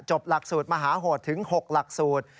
หลักสูตรมหาโหดถึง๖หลักสูตร